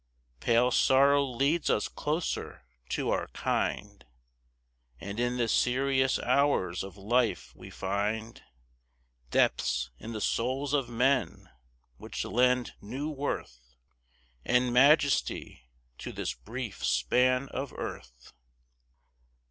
Pale sorrow leads us closer to our kind, And in the serious hours of life we find Depths in the souls of men which lend new worth And majesty to this brief span of earth.